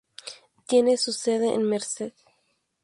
Tiene su sede en Merced.